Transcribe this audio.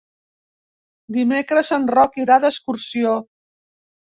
Dimecres en Roc irà d'excursió.